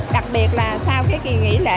đặc biệt là sau kỳ nghỉ lệ